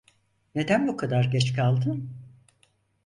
Neden bu kadar geç kaldın?